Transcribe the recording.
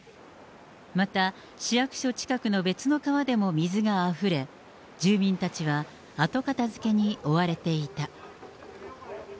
また、市役所近くの別の川でも水があふれ、住民たちは後片づけに追われていた。